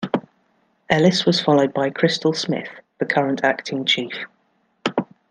Ellis was followed by Crystal Smith, the current Acting Chief.